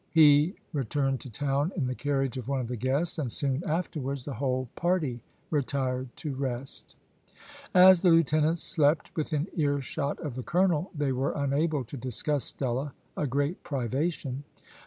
He returned to town in the carriage of one of the guests, and soon afterwards the whole party retired to rest. As the lieutenants slept within earshot of the colonel they were unable to discuss Stella a great privation.